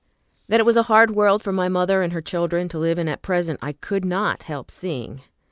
That it was a hard world for my mother and her children to live in at present I could not help seeing.